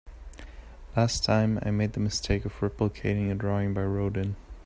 Last time, I made the mistake of replicating a drawing by Rodin.